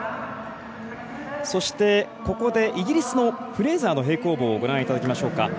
そして、ここでイギリスの選手の平行棒をご覧いただきましょうか。